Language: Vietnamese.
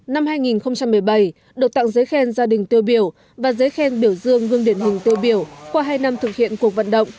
năm hai nghìn một mươi bảy được tặng giấy khen gia đình tiêu biểu và giấy khen biểu dương gương điển hình tiêu biểu qua hai năm thực hiện cuộc vận động